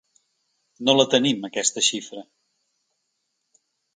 No la tenim, aquesta xifra.